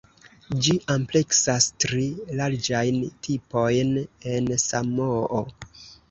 Ĝi ampleksas tri larĝajn tipojn en Samoo.